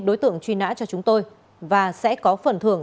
đối tượng truy nã cho chúng tôi và sẽ có phần thưởng